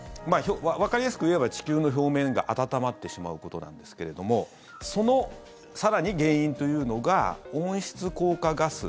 わかりやすく言えば地球の表面が温まってしまうことなんですがその更に原因というのが温室効果ガス